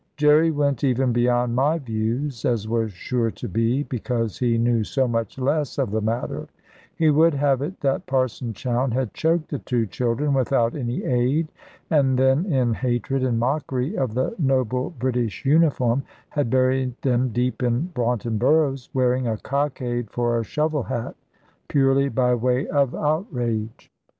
Jerry went even beyond my views, as was sure to be, because he knew so much less of the matter; he would have it that Parson Chowne had choked the two children without any aid, and then in hatred and mockery of the noble British uniform, had buried them deep in Braunton Burrows, wearing a cockade for a shovel hat, purely by way of outrage.